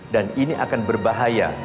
dan ini akan berbahaya